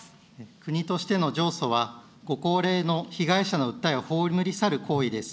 国としての上訴は、ご高齢の被害者の訴えを葬り去る行為です。